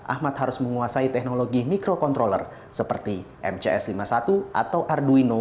ahmad harus menguasai teknologi microcontroller seperti mcs lima puluh satu atau arduino